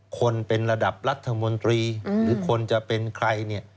คนเป็นระดับรัฐมนตรีหรือคนจะเป็นใครเนี่ย